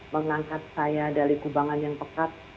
mengangkat saya dari kubangan yang pekat